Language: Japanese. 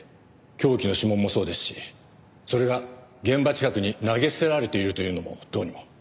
凶器の指紋もそうですしそれが現場近くに投げ捨てられているというのもどうにも。